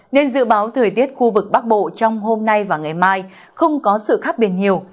nên dự báo thời tiết khu vực bắc bộ trong hôm nay và ngày mai không có sự khác biệt nhiều